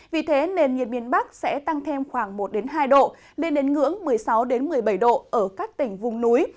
vì thế nền nhiệt miền bắc sẽ tăng thêm khoảng một hai độ lên đến ngưỡng một mươi sáu một mươi bảy độ ở các tỉnh vùng núi